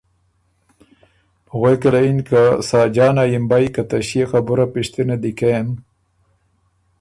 غوېکه له یِن که ساجانا یِمبئ که ته ݭيې خبُره پِشتِنه دی کېم،